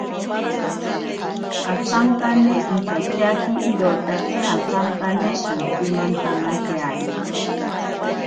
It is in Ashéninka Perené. Osankane inchatyaaki irotaki osankane antsimantanajeari.